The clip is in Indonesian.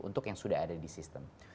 untuk yang sudah ada di sistem